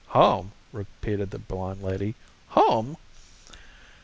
"Home?" repeated the blonde lady. "Home?"